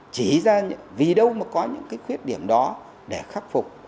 chỉ ra vì đâu mà có những cái khuyết điểm đó để khắc phục